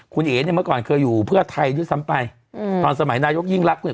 คุณเอ๋เนี่ยเมื่อก่อนเคยอยู่เพื่อไทยด้วยซ้ำไปอืมตอนสมัยนายกยิ่งรักเนี่ย